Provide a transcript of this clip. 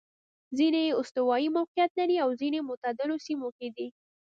ځیني یې استوايي موقعیت لري او ځیني معتدلو سیمو کې دي.